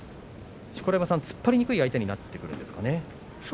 錣山さん、突っ張りにくい相手になってくるんですかね。